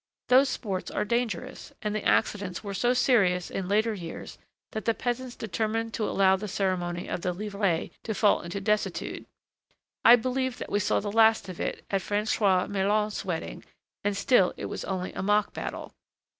Those sports are dangerous, and the accidents were so serious in later years that the peasants determined to allow the ceremony of the livrées to fall into desuetude. I believe that we saw the last of it at Françoise Meillant's wedding, and still it was only a mock battle.